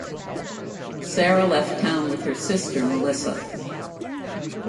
Sarah left town with her sister, Melissa.